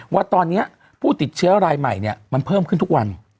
ว่าตอนนี้ผู้ติดเชื้อรายใหม่เนี่ยมันเพิ่มขึ้นทุกวัน